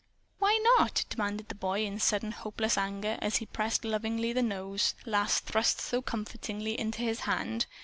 "Why not?" demanded the boy in sudden hopeless anger as he pressed lovingly the nose Lass thrust so comfortingly into his hand.